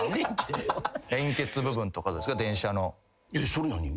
それ何？